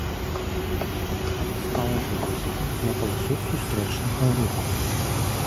Трактар стала заносіць на паласу сустрэчнага руху.